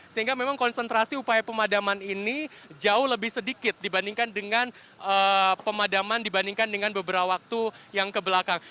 sehingga memang konsentrasi upaya pemadaman ini jauh lebih sedikit dibandingkan dengan pemadaman dibandingkan dengan beberapa waktu yang kebelakang